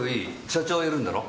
社長いるんだろ？